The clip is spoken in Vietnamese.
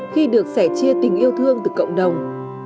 khi được sẻ chia tình yêu thương từ cộng đồng